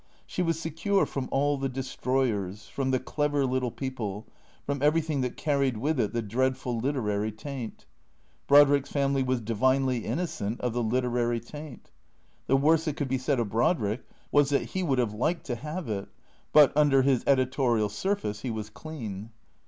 She was secure from all the destroyers, from the clever little people, from everything that carried with it the dreadful literary taint. Brodrick's family was divinely innocent of the literary taint. The worst that could be said of Brodrick was that he would have liked to have it ; but, under his editorial surface, he was clean.